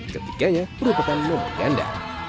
ketikanya perhubungan memperganda